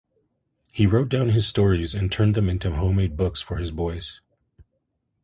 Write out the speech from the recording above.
He wrote down his stories and turned them into homemade books for his boys.